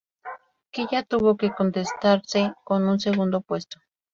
Kiya tuvo que contentarse con un segundo puesto.